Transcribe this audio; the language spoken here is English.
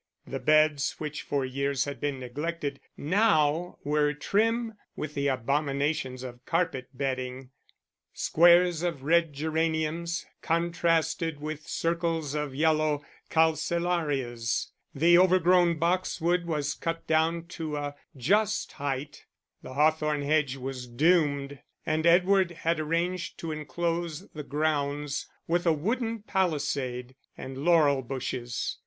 The beds which for years had been neglected, now were trim with the abominations of carpet bedding; squares of red geraniums contrasted with circles of yellow calcellarias; the overgrown boxwood was cut down to a just height; the hawthorn hedge was doomed, and Edward had arranged to enclose the grounds with a wooden pallisade and laurel bushes.